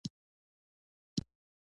د امبولانس د شا دروازه مې خلاصه کړل.